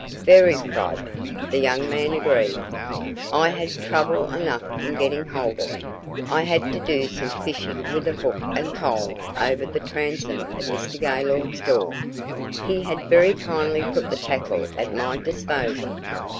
"Very private," the young man agreed. "I had trouble enough in getting hold of it; I had to do some fishing with a hook and pole over the transom of Mr. Gaylord's door. He had very kindly put the tackle at my disposal."